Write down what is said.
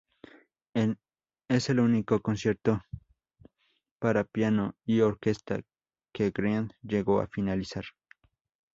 Es el único concierto para piano y orquesta que Grieg llegó a finalizar.